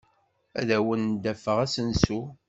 Ad awen-d-afeɣ asensu.